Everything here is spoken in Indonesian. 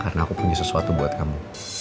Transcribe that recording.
karena aku punya sesuatu buat kamu